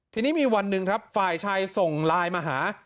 ทีนี้มีวันหนึ่งครับฝ่ายชายส่งไลน์มาหา